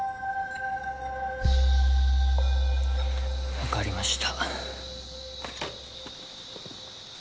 分かりました